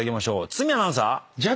堤アナウンサー。